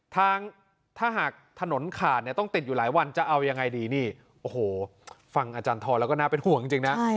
ทางถ้าหากถนนขาดเนี่ยต้องติดอยู่หลายวันจะเอายังไงดีนี่โอ้โหฟังอาจารย์ทรแล้วก็น่าเป็นห่วงจริงนะ